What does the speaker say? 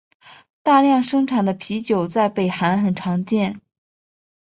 大量生产的啤酒在北韩很常见。